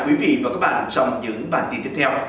quý vị và các bạn trong những bản tin tiếp theo